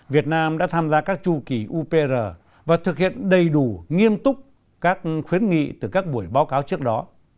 việt nam đã tham gia các chu kỳ upr và thực hiện đầy đủ nghiêm túc các khuyến nghị từ các buổi báo cáo trước đó